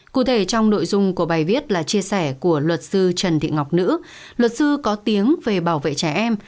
cụ thể trong nội dung của bài viết là chia sẻ của luật sư trần thị ngọc nữ luật sư có tiếng về bảo vệ trẻ em